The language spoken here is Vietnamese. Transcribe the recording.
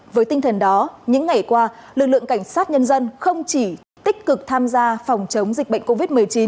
với tinh thần đó những ngày qua lực lượng cảnh sát nhân dân không chỉ tích cực tham gia phòng chống dịch bệnh covid một mươi chín